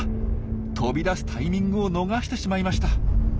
飛び出すタイミングを逃してしまいました。